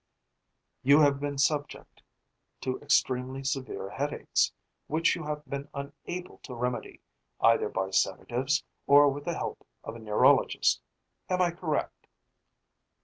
"You have been subject to extremely severe headaches, which you have been unable to remedy, either by sedatives or with the help of a neurologist. Am I correct?"